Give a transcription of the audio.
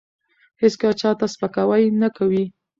هیڅکله چا ته سپکاوی نه کوي.